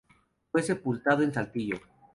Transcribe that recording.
Fue sepultado en Saltillo.